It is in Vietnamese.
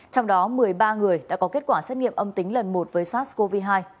trong đó một mươi ba người đã có kết quả xét nghiệm âm tính lần một với sars cov hai